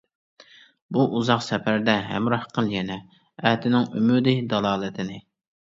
بۇ ئۇزاق سەپەردە ھەمراھ قىل يەنە، ئەتىنىڭ ئۈمىدى، دالالىتىنى.